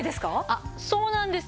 あっそうなんです。